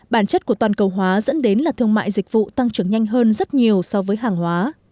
bản chất của toàn cầu hóa dẫn đến là thương mại dịch vụ tăng trưởng nhanh hơn rất nhiều so với hàng hóa